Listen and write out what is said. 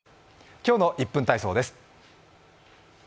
今日の１分体操です。